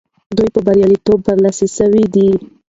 دوی په بریالیتوب برلاسي سوي دي.